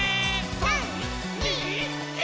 ３、２、１。